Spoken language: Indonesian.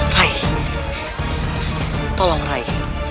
rai tolong rai